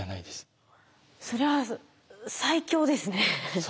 それは最強ですね。